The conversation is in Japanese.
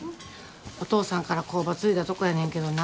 お父さんから工場継いだとこやねんけどな。